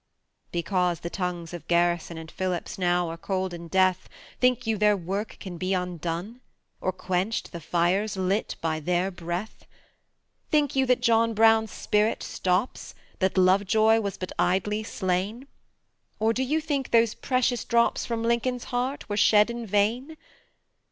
Because the tongues of Garrison And Phillips now are cold in death, Think you their work can be undone? Or quenched the fires lit by their breath? Think you that John Brown's spirit stops? That Lovejoy was but idly slain? Or do you think those precious drops From Lincoln's heart were shed in vain?